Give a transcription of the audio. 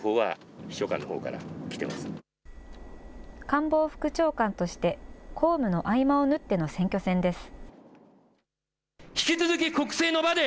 官房副長官として、公務の合間を縫っての選挙戦です。